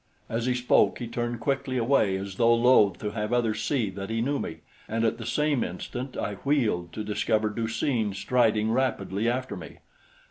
As he spoke, he turned quickly away as though loath to have others see that he knew me, and at the same instant I wheeled to discover Du seen striding rapidly after me.